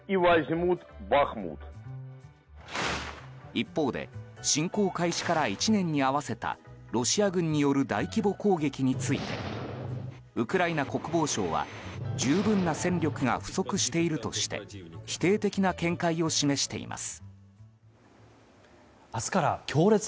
一方で侵攻開始から１年に合わせたロシア軍による大規模攻撃についてウクライナ国防省は十分な戦力が不足しているとして否定的な見解を示しています。